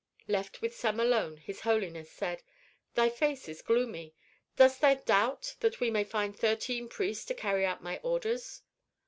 Left with Sem alone, his holiness said, "Thy face is gloomy. Dost thou doubt that we may find thirteen priests to carry out my orders?"